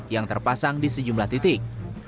yang terpasang di sejumlah titik